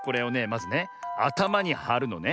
まずねあたまにはるのね。